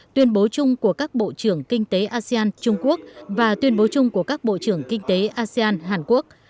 tuyên bố chung của các bộ trưởng kinh tế asean trung quốc và tuyên bố chung của các bộ trưởng kinh tế asean hàn quốc